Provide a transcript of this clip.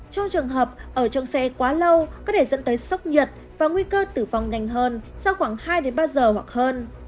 trong trường hợp ở trong xe quá lâu có thể dẫn tới sốc nhiệt và nguy cơ tử vong nhanh hơn sau khoảng hai ba giờ hoặc hơn